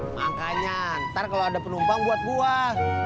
makanya ntar kalau ada penumpang buat buah